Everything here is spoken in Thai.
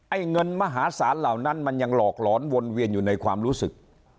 เงินมหาศาลเหล่านั้นมันยังหลอกหลอนวนเวียนอยู่ในความรู้สึก